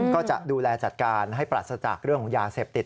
ก็จะดูแลจัดการให้ปราศจากเรื่องของยาเสพติด